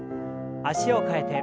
脚を替えて。